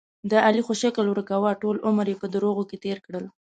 د علي خو شکل ورکوه، ټول عمر یې په دروغو کې تېر کړ.